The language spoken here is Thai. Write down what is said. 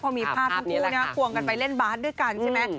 พอมีภาพทั้งคู่นะควงกันไปเล่นบาสด้วยกันใช่ไหม